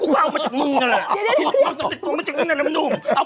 กูเว้าร็มาจากเมืองนั่นแหละ